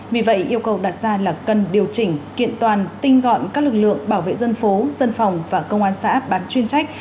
vì vậy yêu cầu đặt ra là cần điều chỉnh kiện toàn tinh gọn các lực lượng bảo vệ dân phố dân phòng và công an xã bán chuyên trách